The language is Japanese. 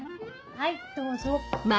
はいどうぞほい。